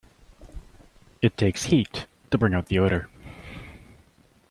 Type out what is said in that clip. It takes heat to bring out the odor.